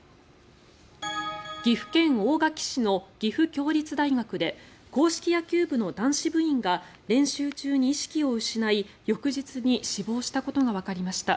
岐阜県大垣市の岐阜協立大学で硬式野球部の男子部員が練習中に意識を失い翌日に死亡したことがわかりました。